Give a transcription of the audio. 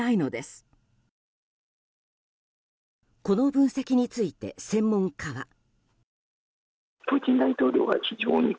この分析について専門家は。